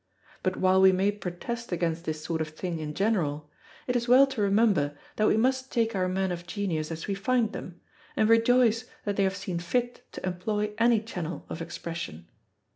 But while we may protest against this sort of thing in general, it is well to remember that we must take our men of genius as we find them, and rejoice that they have seen fit to employ any channel of expression.